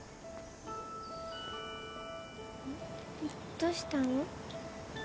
どうしたの？